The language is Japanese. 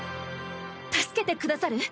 助けてくださる？